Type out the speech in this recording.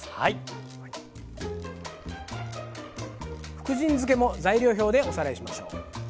福神漬けも材料表でおさらいしましょう。